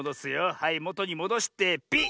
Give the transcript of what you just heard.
はいもとにもどしてピッ！